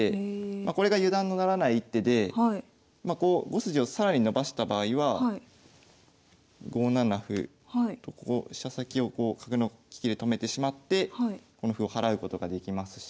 これが油断のならない一手で５筋を更に伸ばした場合は５七歩と飛車先を角の利きで止めてしまってこの歩を払うことができますし。